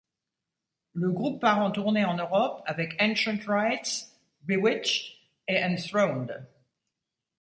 Le groupe part en tournée en Europe avec Ancient Rites, Bewitched et Enthroned.